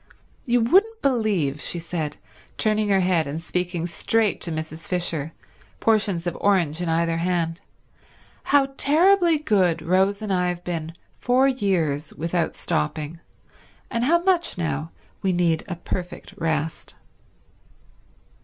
You wouldn't believe," she said, turning her head and speaking straight to Mrs. Fisher, portions of orange in either hand, "how terribly good Rose and I have been for years without stopping, and how much now we need a perfect rest."